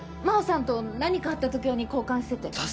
真帆さんと何かあった時用に交換してて。